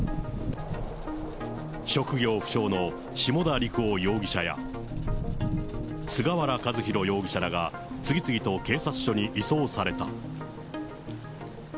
職業不詳の下田陸朗容疑者や、菅原和宏容疑者らが、次々と警察署に移送された。